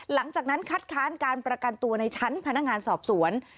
หลังจากนั้นคัดค้านการประกันตัวในชั้นพนักงานสอบสวน